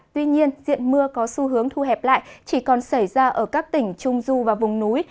tuy nhiên diện mưa có xu hướng thu hẹp lại chỉ còn xảy ra ở các tỉnh trung du và vùng núi